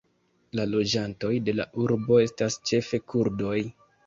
La loĝantoj de la urbo estas ĉefe kurdoj.